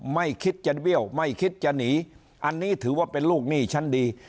ไม่คิดจะเบี้ยวไม่คิดจะหนีอันนี้ถือว่าเป็นลูกหนี้ชั้นดี